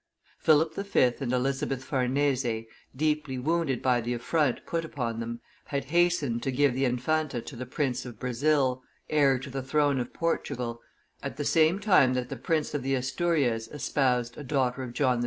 Philip V. and Elizabeth Farnese, deeply wounded by the affront put upon them, had hasted to give the Infanta to the Prince of Brazil, heir to the throne of Portugal, at the same time that the Prince of the Asturias espoused a daughter of John V.